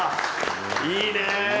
いいね！